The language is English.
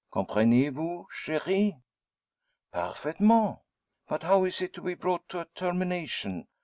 Comprenez vous, cherie?" "Parfaitement! But how is it to be brought to a termination.